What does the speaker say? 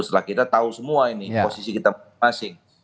setelah kita tahu semua ini posisi kita masing masing